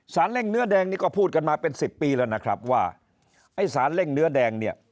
เร่งเนื้อแดงนี่ก็พูดกันมาเป็นสิบปีแล้วนะครับว่าไอ้สารเร่งเนื้อแดงเนี่ย